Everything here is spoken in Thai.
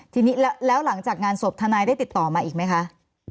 ทีนี้แล้วหลังจากงานศพทนายได้ติดต่อมาอีกไหมคะ